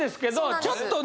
ちょっとね